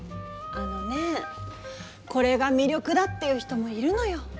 あのねこれが魅力だって言う人もいるのよ。